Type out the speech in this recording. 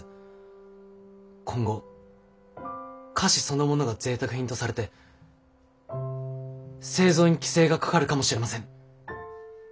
今後菓子そのものがぜいたく品とされて製造に規制がかかるかもしれません。